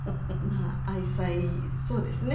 まあ愛妻そうですね。